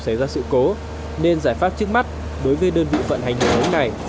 tiếp tục xảy ra sự cố nên giải pháp trước mắt đối với đơn vị phận hành đường ống này